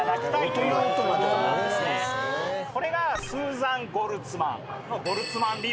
これがスーザン・ゴルツマンの。